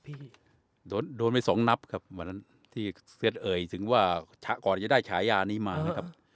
กี่นับพี่โดนโดนไม่๒นับครับวันนั้นที่เสือนเอ่ยถึงว่าทักก่อนจะได้ฉายันนี้มานะครับ